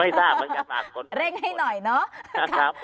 ไม่ทราบเหมือนกันมากคนเร่งให้หน่อยเนอะครับ